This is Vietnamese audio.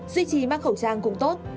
duy trì mang khẩu trang cũng tốt